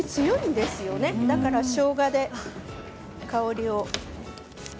ですから、しょうがで香りを。